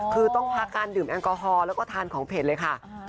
คือต้องพักการดื่มแอลกอฮอล์แล้วก็ทานของเผ็ดเลยค่ะ